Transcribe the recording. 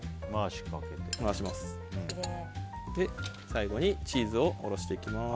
最後にチーズをおろしていきます。